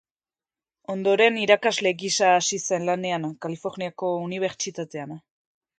Ondoren irakasle gisa hasi zen lanean Kaliforniako Unibertsitatean.